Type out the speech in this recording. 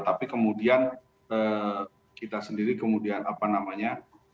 tapi kemudian kita sendiri kemudian apa namanya